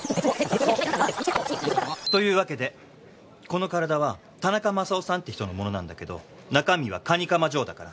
という訳でこの体は田中マサオさんって人のものなんだけど中身は蟹釜ジョーだから。